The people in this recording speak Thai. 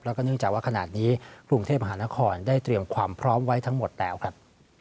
แล้วก็เนื่องจากว่าขณะนี้กรุงเทพมหานครได้เตรียมความพร้อมไว้ทั้งหมดแล้วครับ